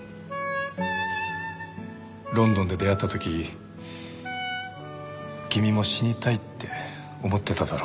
ロンドンで出会った時君も死にたいって思ってただろ？